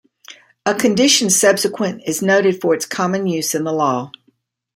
A condition subsequent is noted for its common use in the law.